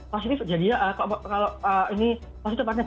positif jadinya kalau ini positif atau tidak